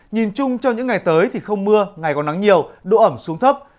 nhìn chung trong những ngày tới thì không mưa ngày còn nắng nhiều độ ẩm xuống thấp